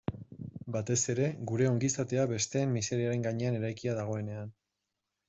Batez ere, gure ongizatea besteen miseriaren gainean eraikia dagoenean.